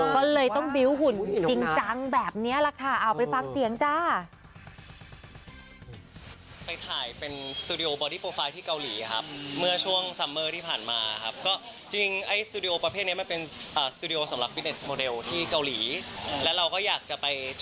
ก็เลยต้องบิวต์หุ่นจริงจังแบบนี้แหละค่ะ